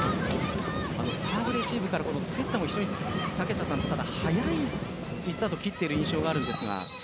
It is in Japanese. サーブレシーブからセッターも早いリスタートを切っている印象があるんですが。